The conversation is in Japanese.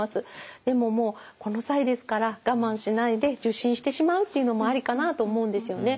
でももうこの際ですから我慢しないで受診してしまうっていうのもありかなと思うんですよね。